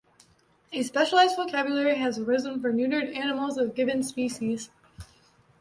A specialized vocabulary has arisen for neutered animals of given species.